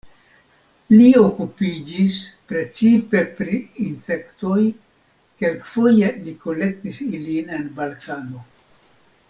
Li okupiĝis precipe pri insektoj, kelkfoje li kolektis ilin en Balkano.